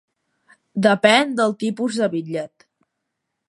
Depén del tipus de bitllet.